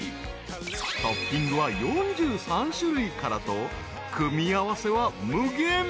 ［トッピングは４３種類からと組み合わせは無限］